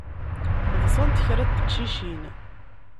Ḍsant kra n teqcicin.